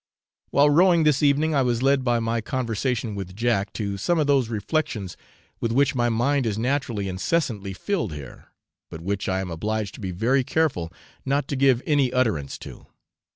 While rowing this evening, I was led by my conversation with Jack to some of those reflections with which my mind is naturally incessantly filled here, but which I am obliged to be very careful not to give any utterance to.